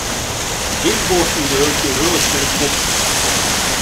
Dem Burschen gehört gehörig der Kopf gewaschen!